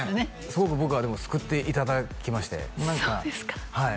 すごく僕はでも救っていただきましてそうですか？